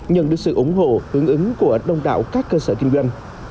nhận được sự ủng hộ hướng ứng của đông đảo các cơ sở kinh doanh